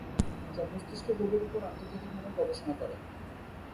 যা মস্তিষ্কের রোগের উপর আন্তর্জাতিক মানের গবেষণা করে।